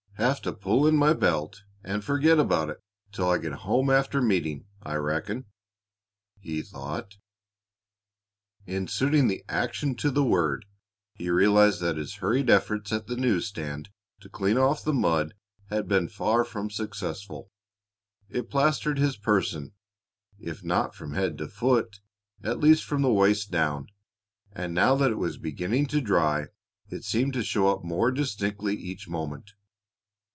"Have to pull in my belt and forget about it till I get home after meeting, I reckon," he thought. In suiting the action to the word he realized that his hurried efforts at the news stand to clean off the mud had been far from successful. It plastered his person, if not from head to foot, at least from the waist down, and now that it was beginning to dry, it seemed to show up more distinctly each moment.